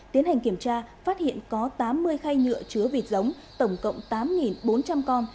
tiến hành kiểm tra phát hiện có tám mươi khay nhựa chứa vịt giống tổng cộng tám bốn trăm linh con